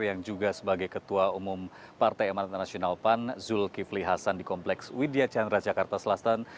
yang juga sebagai ketua umum partai amanat nasional pan zulkifli hasan di kompleks widya chandra jakarta selatan